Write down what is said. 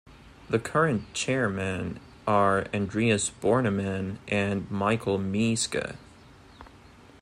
The current chairmen are Andreas Bornemann and Michael Meeske.